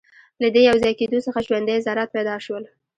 له دې یوځای کېدو څخه ژوندۍ ذرات پیدا شول.